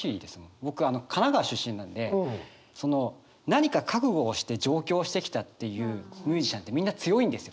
僕あの神奈川出身なんで何か覚悟をして上京してきたっていうミュージシャンってみんな強いんですよ。